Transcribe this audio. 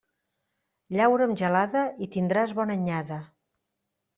Llaura amb gelada i tindràs bona anyada.